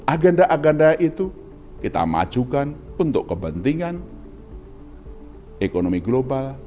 agenda agenda itu kita majukan untuk kepentingan ekonomi global